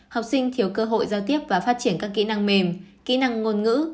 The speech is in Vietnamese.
học sinh thiếu cơ hội giao tiếp và phát triển các kỹ năng mềm kỹ năng ngôn ngữ